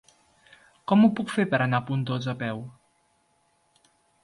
Com ho puc fer per anar a Pontós a peu?